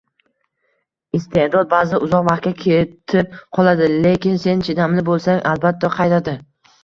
Isteʼdod baʼzida uzoq vaqtga ketib qoladi, lekin sen chidamli boʻlsang, albatta qaytadi